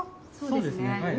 そうですね。